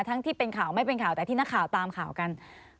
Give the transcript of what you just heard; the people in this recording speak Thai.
ที่เป็นข่าวไม่เป็นข่าวแต่ที่นักข่าวตามข่าวกัน